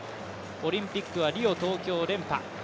オリンピックはリオ、東京連覇。